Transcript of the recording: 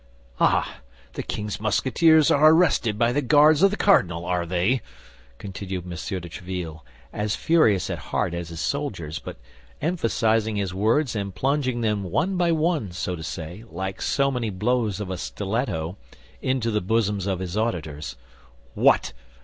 "Ah! The king's Musketeers are arrested by the Guards of the cardinal, are they?" continued M. de Tréville, as furious at heart as his soldiers, but emphasizing his words and plunging them, one by one, so to say, like so many blows of a stiletto, into the bosoms of his auditors. "What!